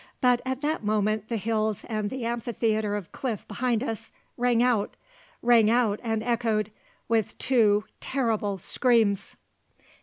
But at that moment the hills and the amphitheatre of cliff behind us, rang out rang out and echoed with two terrible screams.